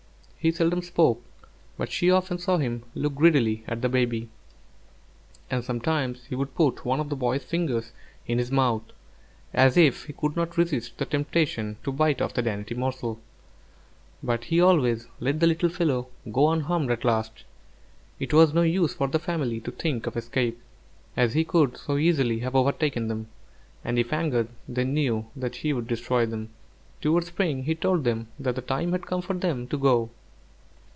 He seldom spoke; but she often saw him look greedily at the baby, and sometimes he would put one of the boy's fingers in his mouth, as if he could not resist the temptation to bite off the dainty morsel; but he always let the little fellow go unharmed at last. It was no use for the family to think of escape, as he could so easily have overtaken them; and, if angered, they knew that he would destroy them. Towards spring he told them that the time had come for them to go.